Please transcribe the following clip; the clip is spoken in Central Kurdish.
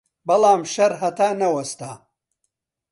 بەڵام شەڕ هەر نەوەستا